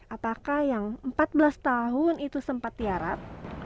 apakah yang empat belas tahun itu sempat tiarap